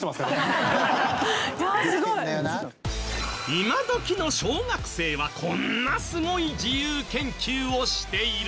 今どきの小学生はこんなすごい自由研究をしている！